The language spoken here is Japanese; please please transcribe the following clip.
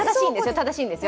正しいんですよ。